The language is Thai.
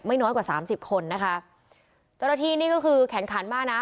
ไม่น้อยกว่าสามสิบคนนะคะจรฐีนี่ก็คือแขนขันมานะ